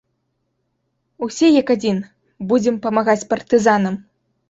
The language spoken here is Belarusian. Усе, як адзін, будзем памагаць партызанам!